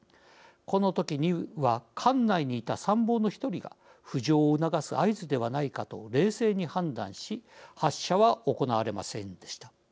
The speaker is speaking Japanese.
この時には艦内にいた参謀の１人が浮上を促す合図ではないかと冷静に判断し発射は行われませんでした。